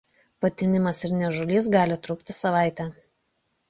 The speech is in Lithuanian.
Patinimas ir niežulys gali trukti savaitę.